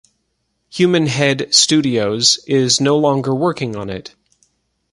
Human Head Studios is no longer working on it.